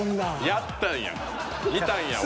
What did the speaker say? やったんや。